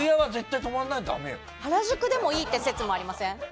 原宿でもいいっていう説ありません？